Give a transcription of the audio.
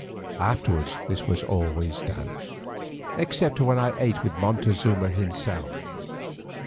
Afterwards this was always done, except when I ate with Montezuma himself.